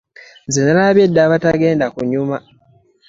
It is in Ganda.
Nze nalabye dda abatagenda kunyuma.